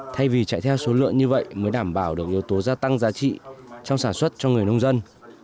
thay vì chạy theo số lượng như vậy mới đảm bảo được yếu tố gia tăng giá trị trong sản xuất cho người nông dân